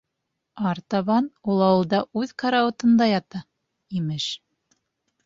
Артабан ул ауылда үҙ карауатында ята, имеш.